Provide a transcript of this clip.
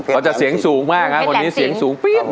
เขาจะเสียงสูงมากนะคนนี้เสียงสูงเปี้ยน